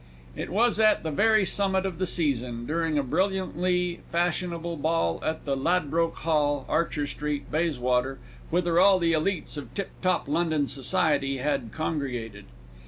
It was at the very summit of the Season, during a brilliantly fashionable ball at the Ladbroke Hall, Archer Street, Bayswater, whither all the élites of tip top London Society had congregated.